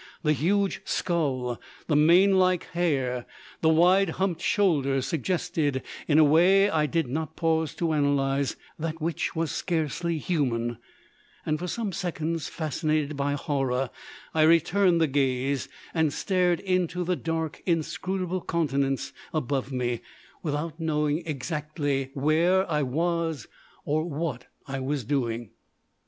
The huge skull, the mane like hair, the wide humped shoulders, suggested, in a way I did not pause to analyse, that which was scarcely human; and for some seconds, fascinated by horror, I returned the gaze and stared into the dark, inscrutable countenance above me, without knowing exactly where I was or what I was doing.